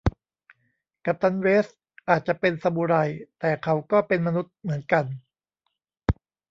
กัปตันเวสท์อาจจะเป็นซามูไร แต่เขาก็เป็นมนุษย์เหมือนกัน